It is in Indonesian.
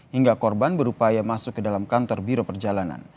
hingga korban berupaya masuk ke dalam kantor biro perjalanan